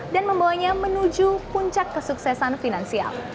dan membawanya menuju ke dunia